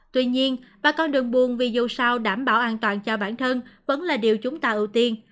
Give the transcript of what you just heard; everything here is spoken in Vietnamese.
tuy nhiên bà con đường buồn vì dù sao đảm bảo an toàn cho bản thân vẫn là điều chúng ta ưu tiên